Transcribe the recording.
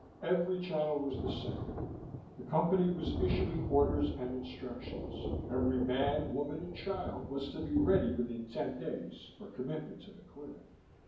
Every channel was the same: The Company was issuing orders and instructions. Every man, woman and child was to be ready within ten days for commitment to the clinic....